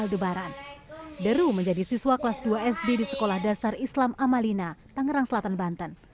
debaran deru menjadi siswa kelas dua sd di sekolah dasar islam amalina tangerang selatan banten